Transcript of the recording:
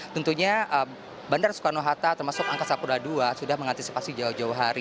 tentunya bandara soekarno hatta termasuk angkasa pura ii sudah mengantisipasi jauh jauh hari